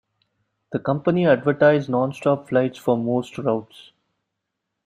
The company advertised nonstop flights for most routes.